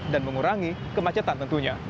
dan mengurangi kemacetan tentunya